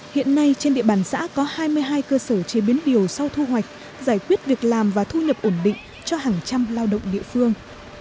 hiện nay trên địa bàn xã có hai mươi hai cơ sở chế biến điều sau thu hoạch giải quyết việc làm và thu nhập ổn định cho hàng trăm lao động địa phương